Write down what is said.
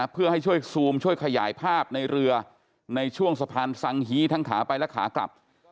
เพื่อให้ช่วยซูมช่วยขยายภาพในเรือในช่วงสะพานสังฮีทั้งขาไปและขากลับ